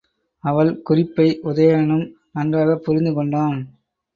அவள் குறிப்பை உதயணனும் நன்றாகப் புரிந்துகொண்டான்.